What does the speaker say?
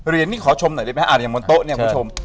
เรียนนี้ขอชมหน่อยได้ไหมฮะอันนี้อย่างมนต์โต๊ะเนี่ยขอชม